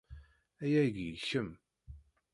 Aya-agi i kem.